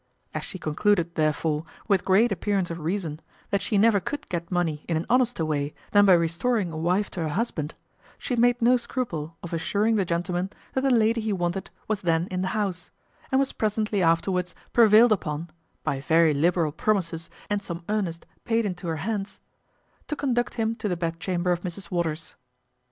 As she concluded, therefore, with great appearance of reason, that she never could get money in an honester way than by restoring a wife to her husband, she made no scruple of assuring the gentleman that the lady he wanted was then in the house; and was presently afterwards prevailed upon (by very liberal promises, and some earnest paid into her hands) to conduct him to the bedchamber of Mrs Waters.